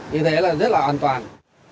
thì như thế là rất là an toàn